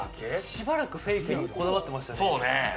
しばらくフェイクにこだわってましたね。